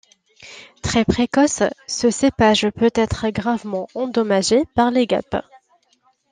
Très précoce, ce cépage peut être gravement endommagé par les guêpes.